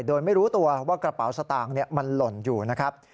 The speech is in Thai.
โดยไม่รู้ตัวว่ากระเป๋าสตางค์มันหล่นอยู่นะครับ